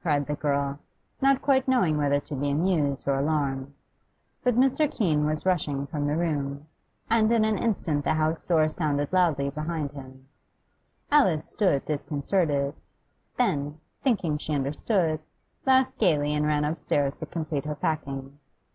cried the girl, not quite knowing whether to be amused or alarmed. But Mr. Keene was rushing from the room, and in an instant the house door sounded loudly behind him. Alice stood disconcerted; then, thinking she understood, laughed gaily and ran upstairs to complete her packing.